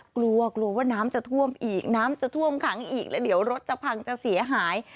กลัวกลัวว่าน้ำจะท่วมอีกน้ำจะท่วมขังอีกแล้วเดี๋ยวรถจะพังจะเสียหาย